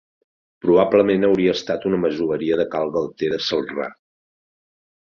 Probablement hauria estat una masoveria de Cal Galter de Celrà.